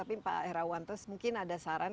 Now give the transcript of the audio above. pak herawan terus mungkin ada saran